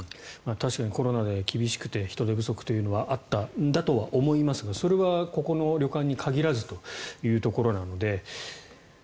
確かにコロナで厳しくて人手不足というのはあったんだと思いますがそれはここの旅館に限らずというところなので。